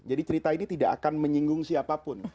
jadi cerita ini tidak akan menyinggung siapapun